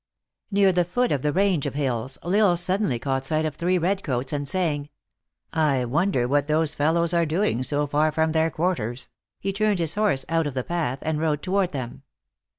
Near the foot of the range of hills, L Isle suddenly caught sight of three red coats, and saying, " I won der what those fellows are doing so far from their quarters," he turned his horse out of the path, and rode toward them.